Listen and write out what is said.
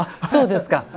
そうですか。